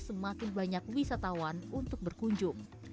semakin banyak wisatawan untuk berkunjung